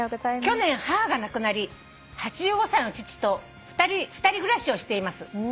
「去年母が亡くなり８５歳の父と２人暮らしをしています」